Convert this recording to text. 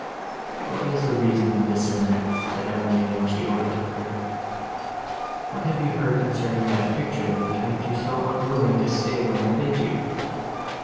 "What is the reason of this, Annette?" said Emily, when she overtook her, "what have you heard concerning that picture, which makes you so unwilling to stay when I bid you?"